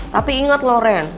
tapi ingat loh ren